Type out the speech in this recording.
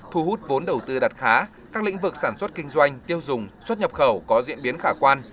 thu hút vốn đầu tư đạt khá các lĩnh vực sản xuất kinh doanh tiêu dùng xuất nhập khẩu có diễn biến khả quan